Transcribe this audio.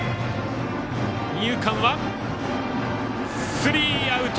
スリーアウト。